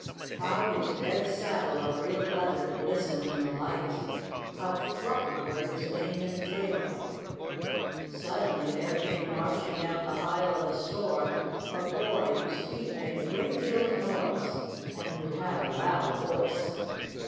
How his red saddle, of real leather, glistened in the light! How fluffy were his mane and tail! Suddenly there came marching down the aisle of the store a boy whose feet made a great deal of noise, and who had a loud voice.